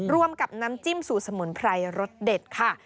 รวมกับน้ำจิ้มสูตรสมุนไพรรสเด็ดค่ะ